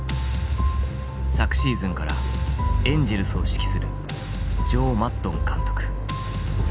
昨シーズンからエンジェルスを指揮するジョー・マッドン監督。